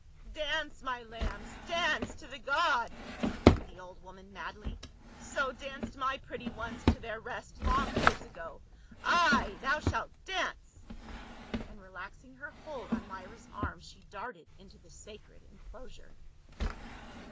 " Dance, my lambs, dance to the god !" screamed the old woman madly, " So danced my pretty ones to their rest long years ago. Ay ! thou shalt dance !" And relaxing her hold on Myra's arm she darted into the sacred enclosure.